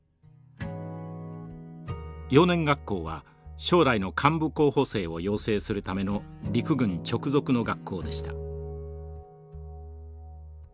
幼年学校は将来の幹部候補生を養成するための陸軍直属の学校でした。